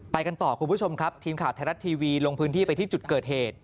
กันต่อคุณผู้ชมครับทีมข่าวไทยรัฐทีวีลงพื้นที่ไปที่จุดเกิดเหตุ